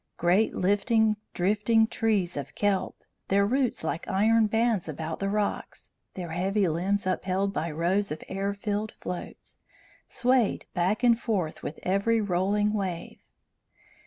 Great lifting, drifting trees of kelp, their roots like iron bands about the rocks, their heavy limbs upheld by rows of air filled floats, swayed back and forth with every rolling wave.